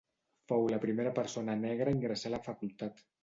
Fou la primera persona negra a ingressar a la facultat.